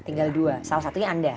tinggal dua salah satunya anda